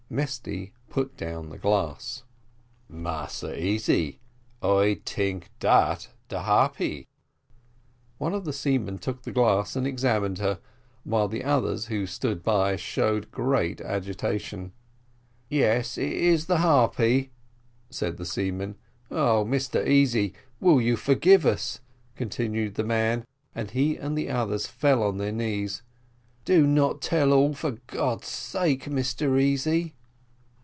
Mesty put down the glass. "Massa Easy I tink dat de Harpy." One of the seamen took the glass and examined her, while the others who stood by showed great agitation. "Yes, it is the Harpy," said the seaman. "Oh Mr Easy, will you forgive us?" continued the man, and he and the others fell on their knees. "Do not tell all, for God's sake, Mr Easy."